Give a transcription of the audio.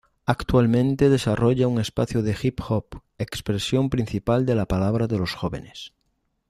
Actualmente desarrolla un espacio de Hip-Hop, expresión principal de la palabra de los jóvenes.